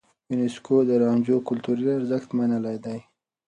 يونيسکو د رانجو کلتوري ارزښت منلی دی.